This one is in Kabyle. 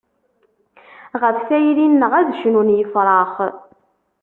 Ɣef tayri-nneɣ ad cnun yefrax.